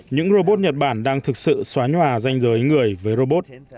những robot nhật bản đang thực sự xóa nhòa danh giới người với robot